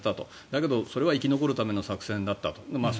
だけどそれは生き残るための作戦だったと。